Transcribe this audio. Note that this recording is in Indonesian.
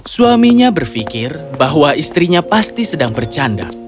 suaminya berpikir bahwa istrinya pasti sedang bercanda